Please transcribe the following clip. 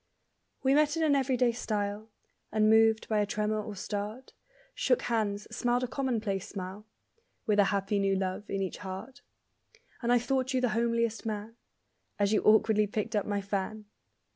We met in an everyday style; Unmoved by a tremor or start; Shook hands, smiled a commonplace smile; (With a happy new love in each heart), And I thought you the homeliest man As you awkwardly picked up my fan!